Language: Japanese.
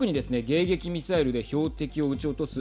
迎撃ミサイルで標的を撃ち落とす